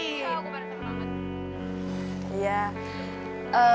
iya gue penasaran banget